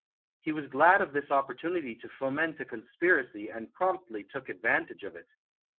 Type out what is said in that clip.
He was glad of this opportunity to foment a con spiracy, and promptly took advantage of it.